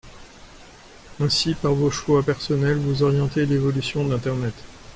Ainsi, par vos choix personnels, vous orientez l'évolution d'internet